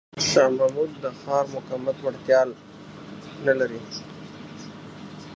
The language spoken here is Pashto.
شاه محمود د ښار د مقاومت وړتیا نه لري.